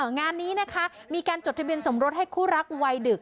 งานนี้นะคะมีการจดทะเบียนสมรสให้คู่รักวัยดึก